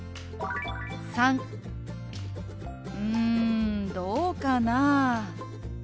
③「うんどうかなぁ？」。